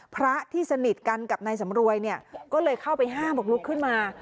พระที่สนิทกันกับนายสำรวยเนี่ยก็เลยเข้าไปห้ามบอกลุกขึ้นมา